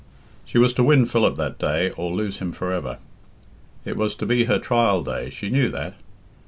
She was to win Philip that day or lose him for ever. It was to be her trial day she knew that.